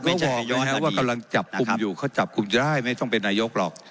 ก็บอกนะครับว่ากำลังจับกุมอยู่เขาจับกุมได้ไม่ต้องเป็นนายกหรอก